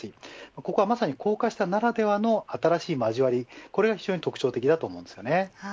ここはまさに高架下ならではの新しい交わりこれが非常に特徴的だと思います。